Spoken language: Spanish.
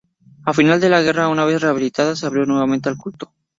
Al final de la guerra, una vez rehabilitada, se abrió nuevamente al culto.